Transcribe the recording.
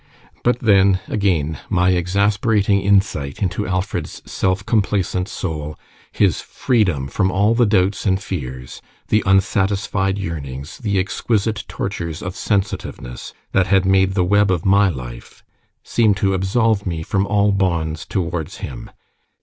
But then, again, my exasperating insight into Alfred's self complacent soul, his freedom from all the doubts and fears, the unsatisfied yearnings, the exquisite tortures of sensitiveness, that had made the web of my life, seemed to absolve me from all bonds towards him.